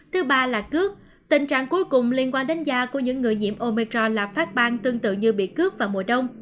thứ ba là cước tình trạng cuối cùng liên quan đến da của những người nhiễm omicron là phát bang tương tự như bị cước vào mùa đông